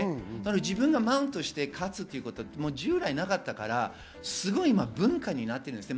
自分がマウントして勝つというのは従来なかったから、すごい文化になってるんですよね。